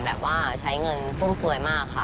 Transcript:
แบบว่าใช้เงินฟุ่มเฟือยมากค่ะ